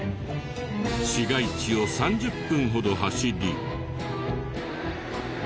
市街地を３０分ほど走り。